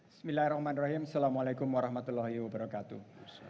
bismillahirrahmanirrahim assalamu'alaikum warahmatullahi wabarakatuh